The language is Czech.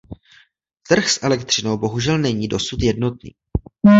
Trh s elektřinou bohužel není dosud jednotný.